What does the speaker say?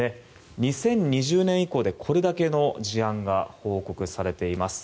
２０２０年以降でこれだけの事案が報告されています。